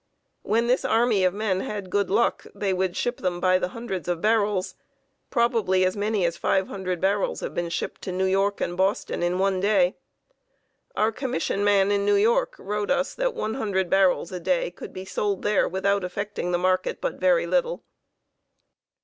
When this army of men had good luck they would ship them by the hundreds of barrels. Probably as many as five hundred barrels have been shipped to New York and Boston in one day. Our commission man in New York wrote us that 100 barrels a day could be sold there without affecting the market but very little.